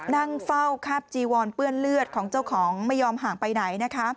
นั่งเฝ้าคาบจีวอนเปื้อนเลือดของเจ้าของไม่ยอมห่างไปไหนนะคะ